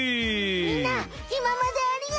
みんないままでありがと！